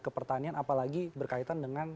ke pertanian apalagi berkaitan dengan